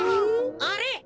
あれ？